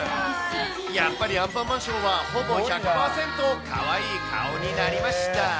やっぱりアンパンマンショーは、ほぼ１００％かわいい顔になりました。